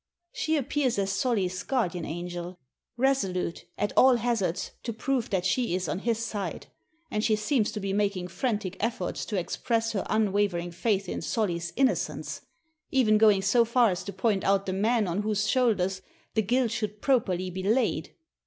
She appears as Solly's guardian angel, resolute, at all hazards, to prove that she is on his side; and she seems to be making frantic efforts to express her unwavering faith in Solly's innocence, even going so far as to point out the man on whose shoulders the guilt should properly be laid."